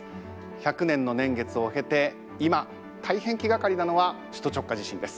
１００年の年月を経て今大変気がかりなのは首都直下地震です。